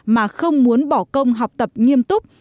mà không muốn bỏ công học tập nghiêm túc